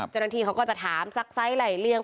เจ้าหน้าที่เขาก็จะถามซักไซส์ไหล่เลี่ยง